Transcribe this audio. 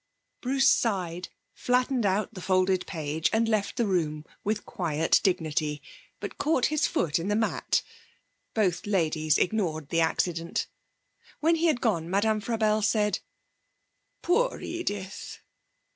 Bruce sighed, flattened out the folded page and left the room with quiet dignity, but caught his foot in the mat. Both ladies ignored the accident. When he had gone, Madame Frabelle said: 'Poor Edith!'